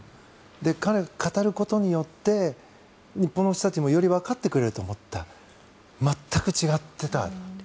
彼が語ることによって日本の人たちもよりわかってくれると思っていた全く違ってた。